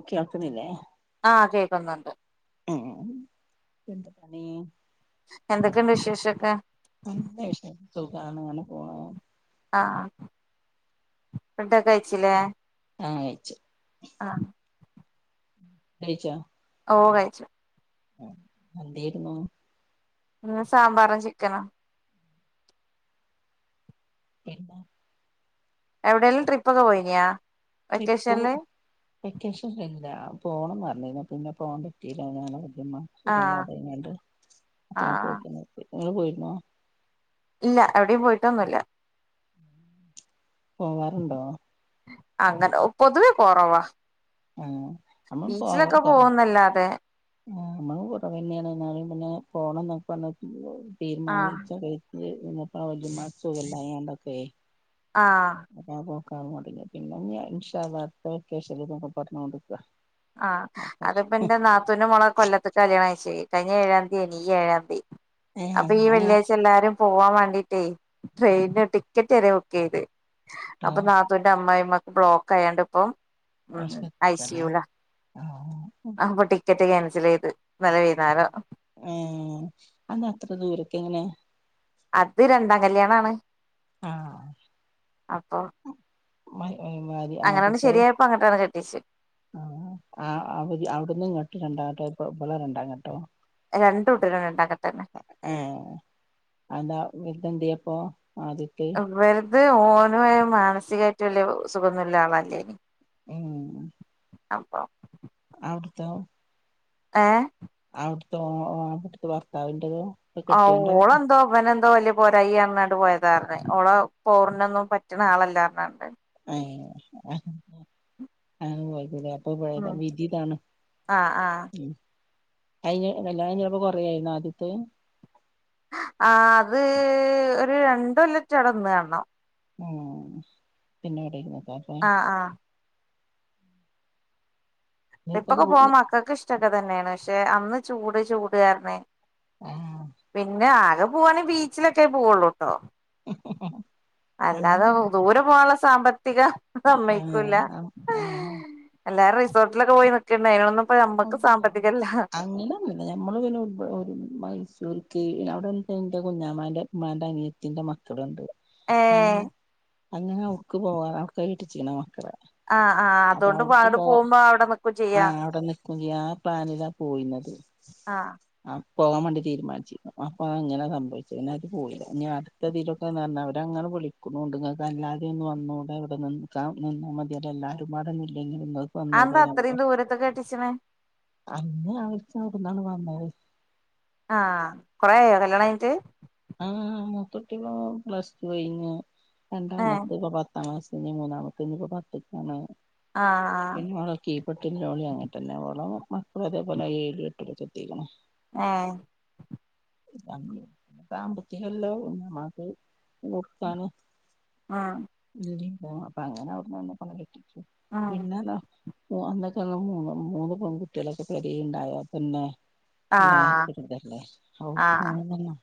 ഒക്കെ ആക്ക്ന്നില്ലെ ആഹ് കേക്കുന്നുണ്ട് ഉം എന്തു പണി എന്തൊക്കെ ഇണ്ട് വിശേഷൊക്കെ നല്ല വിശേഷം സു ഖാണ് ഇങ്ങനെ പോണ് ആ ഫുഡൊക്കെ കഴിച്ചിലെ ആ കഴ്ച്ചു കഴിച്ചോ ഓ കഴിച്ചു ആ എന്തെയ്ര്ന്നു ആ സാമ്പാറും ചിക്കനും പിന്നെ എവ്ടെലും ട്രിപ്പ് ഒക്കെ പോയിനോ ട്രിപ്പു വെക്കേഷന്ൽ ഇല്ല പോണം പർഞ്ഞിനു പിന്നെ പോവാൻ പറ്റീലാ അതാണ് [unintelligible] ന്റെ ഇമ്മാക്ക് ആഹ് സുഖല്ലാതെ ആയിനി അന്റെ എടേ അപ്പാ ആഹ് പോക്ക് നിർത്തി ഇങ്ങൾ പോയിര്ന്നോ ഇല്ല എവിടം പോയിട്ടൊന്നുല്ലാ പോവാറ് ഇണ്ടോ അങ്ങനേ പൊതുവേ കൊറവാ ആ നമ്മളും പോവാ ബീച്ചിലൊക്കെ കൊറവ് പോകുന്നല്ലാതെ ആ നമ്മളും കൊറവെന്നെയാണ് ന്നാലും പിന്നെ പോണം ന്ന് [unintelligible] ആഹ് തീര്മാനിച്ച അതേ അത് കെര്തിനി അപ്പോ വല്ലിമ്മാക്ക് സുഖല്ലായാണ്ട് ഒക്കെ ആ ക്കാ ആ മൂഡിൽ പിന്നെ ഇഞ്ഞ് ഇൻഷാ അള്ളാ അട്ത്ത വെക്കെഷൻൽ [unintelligible] പറഞ്ഞോണ്ട്ക്കാ ആ അപ്പൊ അത്പ്പം ഇന്റെ നാത്തൂൻ്റെ മോളെ കൊല്ലത്ത്ക്കാ കല്യാണം കഴി ച്ചേ കഴിഞ്ഞ ഏഴാംതീ എയ്നി ഈ ഏഴാം തീ ഏഹ് അപ്പം ഈ അങ്ങനെ വെള്ളിയാഴ്ച്ച എല്ലാരും പോവാൻ വേണ്ടീട്ടേ ട്രെയിന് ടിക്കറ്റ് വേരെ ഒ ക്കേത് ട്ടോ അപ്പം നാത്തൂന്റെ അമ്മായി ക്ക് ബ്ലോക്ക് ആയാണ്ട് ഇപ്പം ഉം ഐ സി ആശുപത്രിക്കല്ലേ യു ലാ ആഹ് അപ്പം ടിക്കറ്റ് ക്യാൻസല് ചെയ്ത് ഇന്നലെ വൈന്നേരം ഏഹ് അത് എത്ര ദൂരൊക്കെങ്ങനെയാ അത് രണ്ടാം കല്യാണാണ് ആഹ് മൈ അങ്ങനൊന്ന് ശരിയായപ്പോ അങ്ങട്ടണ്ട് കെട്ടിച്ച് ആ അവിടന്നുങ്ങട്ട് രണ്ടാം കെട്ടോ ഇപ്പൊ ഇവട്ന്ന് രണ്ടാകെട്ടോ രണ്ടൂട്ടരും രണ്ടാകെട്ടാ ആഹ് അന്താ [unintelligible] അപ്പോ [unintelligible] അത് ഓൻ മാനസികമായിട്ട് വലിയ സുഖന്നുല്ല ആളല്ലേ ഹും അപ്പം അടുത്ത ഏഹ് അവിട്ത്തെ ഓ ഓ അവിട്ത്തെ ഭർത്താവിന്റെതോ? ആ ഓളെന്തോ ഇവനെന്തോ വല്യ പോരായിയാ പറഞ്ഞാണ്ട് പോയതാർഞ്ഞ് ഓളെ പൗറിനൊന്നും പറ്റ്ണ ആളല്ലാർഞ്ഞാണ്ട് ഏ [unintelligible] ഇപ്പ പഴയതാ ഉം വിധിതാണ് ആഹ് ആഹ് ഉം കഴിഞ്ഞ് കല്യാണം കഴിഞ്ഞിപ്പം കൊറയായിനോ ആദ്യത്തെ ആ അത് ഒരു രണ്ടൊല്ലെറ്റ അവ്ടെന്ന് കാണണം ആ പിന്നെ അവിടെര്ന്നു ആ ആ ഇപ്പ ട്രിപ്പൊക്കെ പോവാൻ മക്കൾക്ക് ഇഷ്ട തന്നെയാണ് പക്ഷെ അന്ന് ചൂട് ചൂട് കാരണെയ് ആഹ് പിന്നെ ആ അങ്ങനെ പോവാണേ ബീച്ചിലൊക്കെ പോവൊള്ളൂട്ടോ അല്ലാതെ നമ്മക്കില്ല ദൂരെ പോവാനുള്ള സാമ്പത്തി ത്തികം ആഹ് സമ്മയ്ക്കൂല്ല ആഹ് എല്ലാരും റിസ് റിസോട്ടിലൊക്കെ പോയി നിക്കേണ്ടയ് അയിനൊന്നും ഇപ്പ നമ്മക്ക് സാമ്പത്തികല്ല അങ്ങനൊന്നുല്ല ഞമ്മള് പിന്നെ മൈസൂർ കീഴ അവിടെണ്ട്ന്റെ കുഞ്ഞാമാന്റെ ഇമ്മാന്റെ അനിയത്തിന്റെ മക്കള്ണ്ട് ഏ അങ്ങനെ അങ്ങനെ അവക്ക് പോവാക്ക ച്ചീനാ മകള് ആഹ് ആഹ് അപ്പൊ അതോണ്ട് അവിടുക്ക് അങ്ങട് പോ പോകുമ്പോ അവിടെ നിക്കും ചെയ്യാ ആഹ അവിടെ നിക്കും ചെയ്യ ആ പ്ലാനിലാ പോയിുന്നത് ആഹ് ആ പോകാൻ വേണ്ടി തീരുമാനിച്ചിരുന്നു അപ്പൊ അങ്ങനെ സംഭവിച്ചത് അങ്ങെ അത് പോയില്ല ഇനി അടുത്തതിലൊക്കെ പറഞ്ഞ അവരങ്ങനെ വിളിക്കുന്നുണ്ട് നിങ്ങൾക്ക് അല്ലാതെ ഒന്ന് വന്നുകൂടെ അവിടെ നിക്കാം നിന്നാ മതില്ലാ ല്ലെങ്കിൽ അത് എന്താ അത്രയും ദൂരത്തൊ കെട്ടിച്ചനേ അന്നെ അവച്ച അവിടന്നാണ് വന്നത് ആഹ കൊറേയായോ കല്യാണം കഴിഞ്ഞട്ട് ആ മൂത്തകുട്ടി പ്ലസ്ടു കഴിഞ് ഏഹ് രണ്ടാമത്തെ ഇപ്പ പത്താംക്ലാസ്സ്‌ പിനി മുമുക്ക്നി പത്തക്ക [unintelligible] ആഹ് പിന്നെ വഓള കീ പട്ട ലോളി അങ്ങിട്ടന്നെ അവഓളോ മക്കൾ അതേപോലെ ഏും എട്ടിലക്കെത്തിക്കണം ആഹ് ബ സാമ്പത്തികമല്ലോ ഉമാക്ക് കൊടുക്കാണ് ആഹ് അപ്പൊ അങ്ങനെ അവിടെന്ന്ന്നെണിക്കും ഉം പിന്നെതാ അന്നൊക്കെ അങ് മൂന്ന് മൂന്ന് പെൺകട്ടികളൊക്കെ പെരുണ്ടായോ പിന്നെ അല്ലേ ആഹ് ആഹ് ന്ന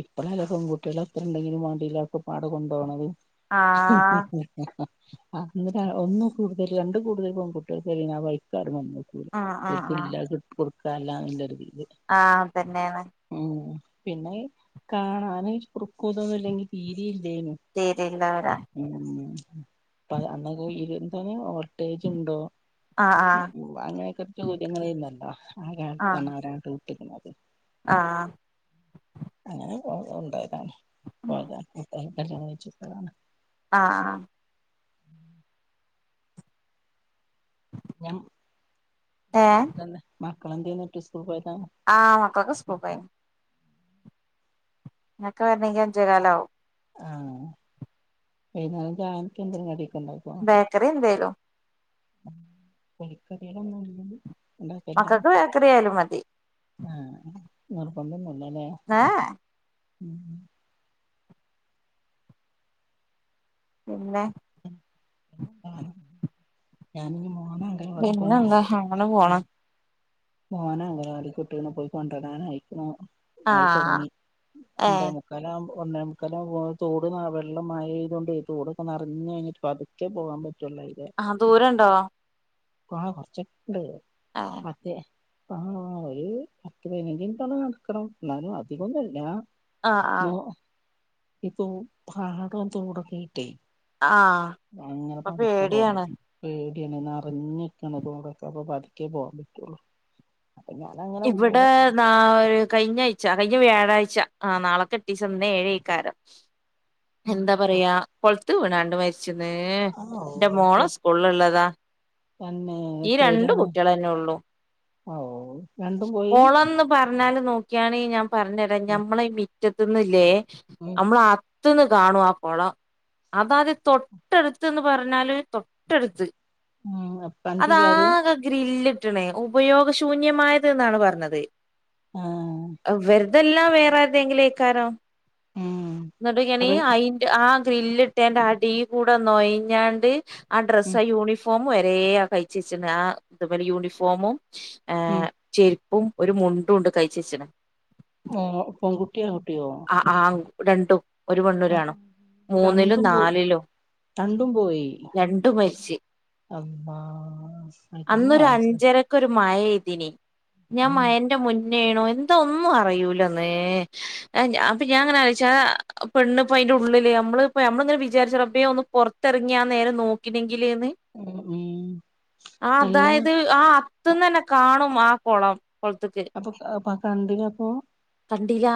ഇപ്പഴല്ല പെൺകുട്ടികള എത്ര ഉണ്ടെങ്കിലും വണ്ടയിലൊക്കെ പാട കൊണ്ടുപോണത് ഹ ഹ ആഹ് അ ഒന്ന കൂടുതൽ രണ്ടു കൂടുതൽ പെൺകുട്ടികൾക്ക വഴിക്ക ഉം ും ഉം ഉം [unintelligible] െല്ലാം ഇല്ലരുതി ആഹ് തന്നെയാണ് പിന്നെ കാണാ അന കുറു ക്കതൊന്നുംല്ലെങ്കിൽ തീരിയില്ല ശരില്ല ഉം അന്ന ഇ എന്ത ഒട്ടേജ ഉണ്ടോ ആഹ് ആഹ് ഓ അങ്ങനെക്ക ചോദ്യങ്ങളന്നല്ലോ ആ ആഹ് തന്നരാ [unintelligible] [unintelligible] മാതി ആഹ് അങ്ങനെ [unintelligible] ഒണ്ട പോതാ [unintelligible] കല്യാണം കയിച്ചപ്പെഴാന്ന്. ആഹ് ആഹ്. ഉം. ഞം ഏഹ് തന്നെ. ക്കളെന്തേ ന്ന്ട്ട് സ്കൂൾ പോയതാ. ആ മക്കക്കെ സ്കൂൾ പോയ് ഞ്ഞൊക്കെ വര്ണെങ്കി അഞ്ചേ കാലാവും. ആഹ്. വൈന്നാരം ചായക്ക് എന്തേലും കടി ബേക്കറി എന്തേലും. ഉം പൊരിക്കടിയേള് ഒന്നും ഇല്ല മക്കക്ക് വേക്കറിയായാലും മതി. നിർബൻധന്നു [unintelligible] ഉം. പിന്നെ. ഞാന പിന്നെ എന്താ ഹങ്ങനെ പോണ്. മോനെ അംഗലവാടിക്ക് വിട്ട്ണ്. പോയി കൊണ്ടരാൻ ആയിക്ക്ണോ ആയി ആഹ് തോട്ങ്ങി. രണ്ടേ ഏഹ് മുക്കാലാവുമ്പം ഒന്നേമുക്കാലാവും ആ തോട് വെള്ളം മയേതൊണ്ടേ തോടൊക്കെ നെറ [unintelligible] പതുക്കെ പോവാൻ പറ്റൂ ആഹ് ദൂരണ്ടോ ആ കൊർച്ച് ഉണ്ട് ഏഹ് മറ്റേ ആഹ് ഒരു പത്ത് പതിനഞ്ച് മിനിട്ട് നടക്കണം എന്നാലും അധികൊന്നില്ല ആഹ് ആഹ് ഇപ്പൊ പാടോം തോടൊക്കെ ഇട്ടേ ആഹ് അങ്ങനെ ഇപ്പൊ പതുക്ക പോവാൻ പേടിയാണ് പറ്റു പേടിയാണ് ഞ്ഞിക്കാണ് തോടൊക്കെ അപ്പൊ പതുക്കേ പോവാൻ പറ്റുള്ളൂ അപ്പൊ ഞാനങ്ങനെ ഇവിടെ പോവും നാ ഒരു കഴിഞ്ഞ ആഴ്ച കഴിഞ്ഞ വ്യാഴാഴ്ച ആഹ് നാളെ കെട്ടീ ചെന്ന ഏഴേക്കാരം എന്താ പറയാ കൊ ത്ത് വീണാണ്ട് മരിച്ചു നേ ആ എന്റ ഓ മോള സ്കൂളിൽ ഇള്ളതാ തന്നെ ഈ രണ്ടു എത്രയിലാണ് കുട്ടികളന്നെ ഒള്ളു ഓ രണ്ടും പോയി ഓളന്ന് പറ റഞ്ഞാലും നോക്കിയാനേയ് ഞാ പറഞ്ഞരാ ഉം ഞമ്മളേ മീ റ്റത്തുന്നില്ലേ ഉം അമ്മളാ റ്റത്തുന്ന് കാണും ആ കൊള അതായത് തൊട്ടടുത്ത്ന്ന് പറഞ്ഞാല് തൊട്ടടുത്ത് ഉം വണ്ടിയിലാരും അതാകെ ഗ്രില്ല് ക്കണേ ഉപയോഗ ശൂ ന്യമായത്ന്നാണ് പറഞ്ഞത് ആഹ് [unintelligible] ഇതെല്ലാം വേറെ ഏതെങ്കിലും ഏക്കാരം എന്നിട്ട്ങ്ങനെ അപ്പൊ ഈ അയിന്റ് ആ ക്രില്ലിട്ടെന്റെ അടി കൂടി നോയിഞ്ഞാണ്ട് ആ ഡ്രസ ഉം യൂണിഫോം ഫോമ് വരെ ആ കഴിച്ച വെച്ചി ആ ഇതുപോലെ യൂണിഫോമും ഉം പ്പും ഒരു മുണ്ടും ഉണ്ട് കഴിച്ച് വെച്ചന് മോ പെൺകുട്ടിയൊ ആങ്കുട്ടിയോ ഉടണ്ടും ഒരു പെണ്ണുഒരാണും മൂന്നിലോ രണ്ടും പോ നാലിലോ രണ്ടും പോയി രണ്ട് മരിച്ച് അള്ളാ എത്ര അന്നൊരു വയസ്സ് അഞ്ചരക്കൊരു മഴയി തിനി ഞാൻ ഉം മയന്റെ മുൻ നേണോ എന്താ ഒന്നും അറിയൂല്ലന്നേ അ അപ്പൊ ഞാ ഇങ്ങനെ ആലോചിച്ചു ആ പെണ്ണിപ്പ അയ്ന്റെ ഉള്ളില് നമ്മളിപ്പോ നമ്മളിങ്ങനെ വിചാരിച്ച് റബ്ബേ ഒന്ന് പൊറത്തിറങ്ങിയാ നേരം നോക്കിനെ ഇലെന്നെ ഉം ഉം ആ അല്ല അതായത് അത് നിനക് കാണും ആ കൊളം അപ്പൊ പ്പ കണ്ടിനപ്പൊ ഇല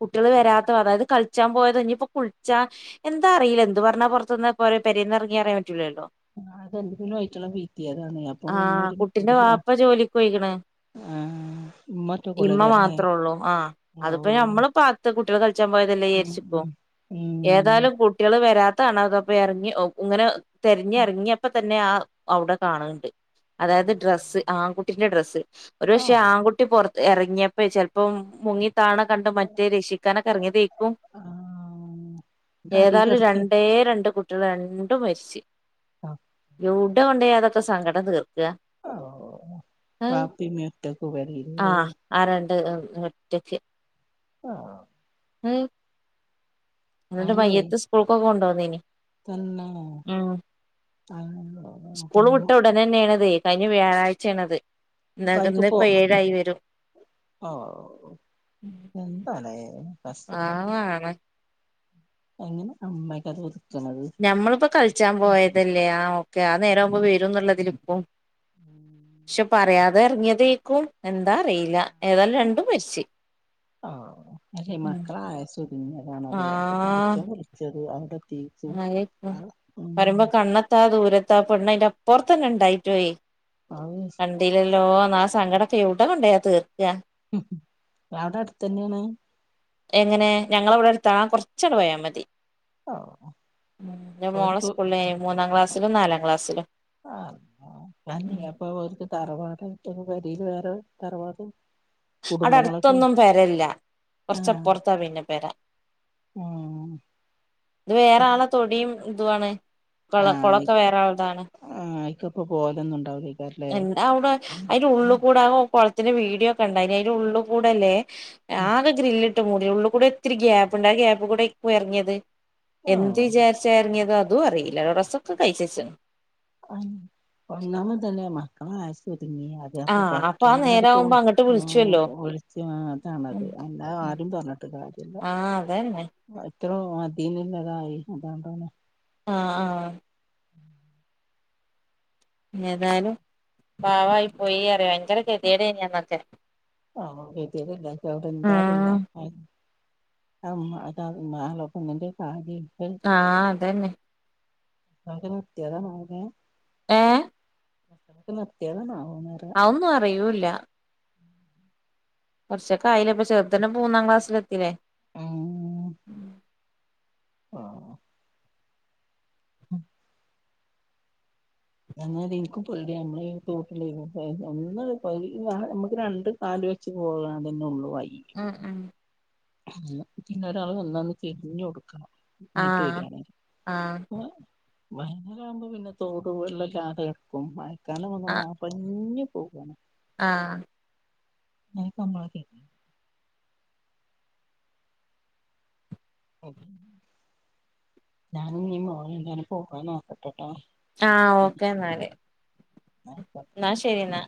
കുട്ടികള് വരാത്ത അതായത് കളിച്ചാൻ പോയത് ഇഞ്ഞിപ്പൊ കുളിച്ചാ എന്താ അറിയില്ല എന്ത് പറഞ്ഞാ പുറത്തുന്ന് പോ പേരെന്ന് ഇറങ്ങിയ ആ അതെന്നും അയിറ്റളെ വീഴ്ത്തിയതാണെ അപ്പൊ ആ പിന്നെ ഒരു കുട്ടിന്റെ [unintelligible] വാപ്പ ജോലിക്ക് പോയിക്കണ് ഉമ്മ ഇമ്മ ഒറ്റക്കൊള്ളേക്കാരല്ലേ മാത്രള്ളൂ ആ അതിപ്പോ ഉം ഞമ്മള് പത്ത് കുട്ട്യേൾ കളിച്ചാൻ പോയതല്ലേ വിചേരിച്ചിപ്പോ ഉം ഉം ഏതായാലും കുട്ട്യേൾ വരാത് ത്ത കാണാത്തപ്പോ എറങ്ങി ഔ ഇങ്ങന് തെരഞ്ഞിറങ്ങിയപ്പത്തന്നെ ന്നെ ആ അവുടെ കാണ് ണ്ട് അതായത് ഡ്രസ്സ് ആഹ് [unintelligible] ഡ്രസ്സ് ഒര് പക്ഷേ ആഹ് ആൺകുട്ടി പോർ എർങ്ങിയപ്പോ ചെൽപ്പം മുങ്ങി ട്ടാണ കണ്ട് മറ്റേ രക്ഷിക്കാ [unintelligible] ഉം ആഹ് ന്നിട്ട് അടീ ഏതായാലും കെടക്കെ രണ്ടേ രണ്ട് കു രണ്ടും മര്ച്ച് ആഹ് എവ്ടെ കൊണ്ടോയാ അതൊക്കെ സങ്കടം തീർക്ക ഓ ആഹ് [unintelligible] [unintelligible] ഒറ്റക്ക് ആഹ് ഉം ന്ന്ട്ട് അല്ലേ മയ്യേത്ത് സ്കൂൾക്കൊക്കെ കോണ്ടോ ന്ത്‌ന് തന്നെ [unintelligible] അപ്പം കയ്ഞ്ഞ വ്യാഴാഴ്ച്ചേണത് പൈക്ക്പ്പോ ഔ എന്താലേ കഷ്ടപ്പാട് പാവാണ് എങ്ങനെ സമ്മയ്ക്ക അത് കൊത് ഞമ്മള്പ്പോ കൾച്ചാൻ പോയതല്ലേ ആഹ് ഓക്കെ അ നേരാവ്മ്പോ വരുംന്ന്ള്ളതില്ക്കും ഷു പറയാ തെർങ്ങ്യെതേക്കും എന്താ അറീലാ ഏതായാലും രണ്ടും മര്ച്ച് ഉം പിന്നെതാണതെ അപ്പൊ പടച്ചോൻ വിളിച്ചത് അ ആയേക്കും പറിമ്പോ കണ്ണെത്താ ദൂര ത്താ പെണ്ണയ്ന്റെപ്പാെർത്തെന്നെ ണ്ടായ്ട്ടോയ് അത് കണ്ടീലെല്ലോന്നാ സ് സങ്കടൊക്കെ എവ്ടെ കൊണ്ടയാ തീർക്ക അവ്ടെ അട്തെന്നെയാണ് എങ്ങനെ ഞങ്ങളവ്ടട്ത്ത കൊർച്ചാണ് പോയാ മതി ഓ എന്റെ ഓർക് മോളെ സ്കൂളില് മൂന്നാം അ ക്ലാസ്സിലും നാലാം ക്ലാസ്സിലും അ അപ്പൊന്നി ഓർക് തറവാടായിട്ടക്കെ കെ വേറെ തറവാട് അവിടെ കുടുംബങ്ങളൊക്കെ അടുത്തൊന്നും പെരല്ല ആഹ് കുറച്ചപ്പുറത്ത പിന്നെ പരാ ആഹ് ഇത് വേറാളെ തൊടിം തുവാണ് കൊള കൊളൊക്കെ വേറാൾതാണ് [unintelligible] പോലൊന്നുണ്ടാവുലെയ് എന്താ അവിടെ അയ്ന്റെ ഉള്ളികൂടെ അ ഉ കൊൾ ത്തിന് വീഡിയോക്കെ ഇണ്ടയിന്ന് അയ്ന്റെ ഉള്ളി കൂടെല്ലേ ആകെ ഗ്രില്ലി ട്ട് മൂടി ഉള്ളിക്കൂടെ ഒത്തിരി ഗ്യാപ്പുണ്ട് ആ ഗ്യാപ്പികൂടെ എർങ്ങ്യേത് ആഹ് എന്ത് വിചാരിച്ച എർങ്ങ്യേത് അ അതും അറീയില്ല ഡ്രസ്സൊക്കെ കയ്ചെച്ചിന് ആ ഒന്നാമത് [unintelligible] ആ ശരി അത് അപ്പൊ ആഹ് ആ പടച്ചോനട് നേരാവുമ്പോ തോന്നി അങ്ങട്ട് ആ വിളിച്ചുവല്ലോ അപ്പ ഓല്ക് അ ഉം അതാണത് അല്ലാതെ ഉം ആരും പർഞ്ഞിട്ട് കാര്യല്ല ആഹ് അതന്നെ ഇത്ര [unintelligible] അതോണ്ടാണ് ആആ ഏതായാലും പാവായി പോയീ അറയാ അ പാവ [unintelligible] എന്താ പിന്നെ ഉം അ ഇമ്മ അ പെണ്ണിന്റ കാര്യേ ആ അതന്നെ ആര് നിർത്യേതാണാവോലേ നിർത്തേതാണ അ ഒന്നും അറിയൂൽ ല കൊർച്ചൊക്കെ ആയില്ല ഇപ്പൊ ചെർതിനെ മൂന്നാം ക്ലാസ്സിലെത്തില്ലേ ഉം പാവം ഉം [unintelligible] ഇൻക്കും പേട്യ ഞമ്മള ഈ തോട്ടിൽ പെ ഒന്ന് [unintelligible] നമ്മുക്ക് രണ്ട് കാല് വെച്ച് പോകാൻതന്നെ ഉള്ളുവഴി അ അ പിന്നെ ഒരാള് വന്നാൽ തിരിഞ്ഞൊട്ക്ക ഇങ്ങട്ട് ആഹ് വെരാണെങ്കി വഴിമലവുമ്പോ പിന്നെ തോട്പോലുള്ള ല്ലാതെ കിടക്കും [unintelligible] പോകാണ് ആ [unintelligible] മ് ഞാനും ഞ്ഞ് മോനുംന്താണ് പോകാന്നോക്കട്ടെ ആ ഓക്കേന്നാല് ന്നാ ശരിന്നാ